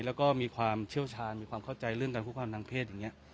และความเชี่ยวชาญความเข้าใจเรื่องการสูดพลาดทางเพศ